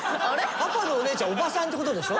パパのおねえちゃん伯母さんって事でしょ？